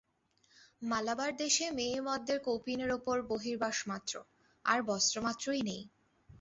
মালাবার দেশে মেয়ে-মদ্দের কৌপীনের উপর বহির্বাসমাত্র, আর বস্ত্রমাত্রই নেই।